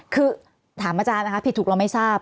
คือถามอาจารย์นะคะผิดถูกเราไม่ทราบ